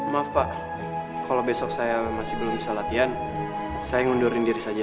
maaf pak kalau besok saya masih belum bisa latihan saya ngundurin diri saja